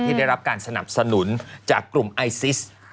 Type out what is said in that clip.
ได้รับการสนับสนุนจากกลุ่มไอซิส